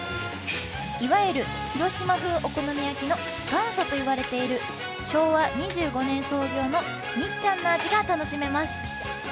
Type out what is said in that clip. いわゆる広島風お好み焼きの元祖といわれている昭和２５年創業のみっちゃんの味が楽しめます。